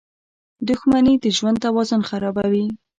• دښمني د ژوند توازن خرابوي.